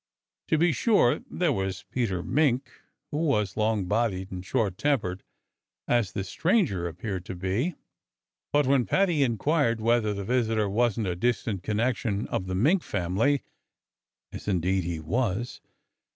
To be sure, there was Peter Mink, who was long bodied and short tempered, as the stranger appeared to be. But when Paddy inquired whether the visitor wasn't a distant connection of the Mink family (as indeed he was!)